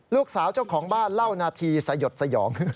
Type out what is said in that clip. เจ้าของบ้านเล่านาทีสยดสยอง